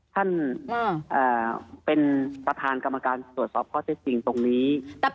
ท่านประธานกรรมการตรวจสอบข้อเท็จจริงตรงนี้